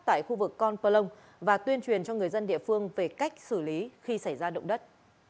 tại khu vực cron plong và tuyên truyền cho người dân địa phương về cách xử lý khi xảy ra động đất